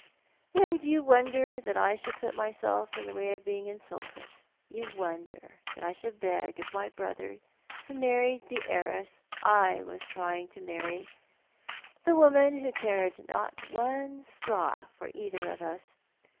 And you wonder that I should put myself in the way of being insulted. You wonder that I should beg of my brother who married the heiress I was trying to marry — the woman who cared not one straw for either of us.